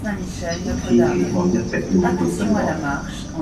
前天起我一直悶悶不樂